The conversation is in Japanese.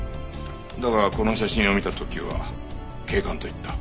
だがこの写真を見た時は警官と言った。